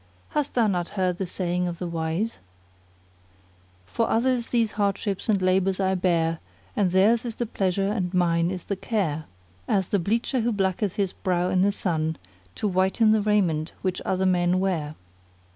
Hast thou not heard the saying of the wise:— For others these hardships and labours I bear * And theirs is the pleasure and mine is the care; As the bleacher who blacketh his brow in the sun * To whiten the raiment which other men wear.